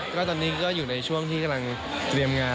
ก็ตอนนี้ก็อยู่ในช่วงที่กำลังเตรียมงาน